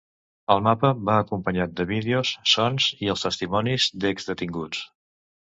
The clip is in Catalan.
El mapa va acompanyat de vídeos, sons i els testimonis d’ex-detinguts.